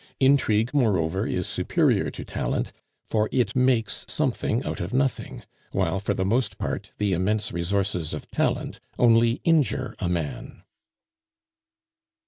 Intrigue, moreover, is superior to talent, for it makes something out of nothing; while, for the most part, the immense resources of talent only injure a man."